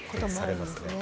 されますね。